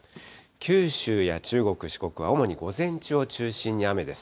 九州や中国、四国、主に午前中を中心に雨です。